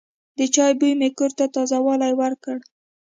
د چای بوی مې کور ته تازه والی ورکړ.